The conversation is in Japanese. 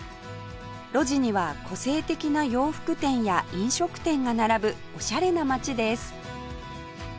路地には個性的な洋服店や飲食店が並ぶオシャレな街です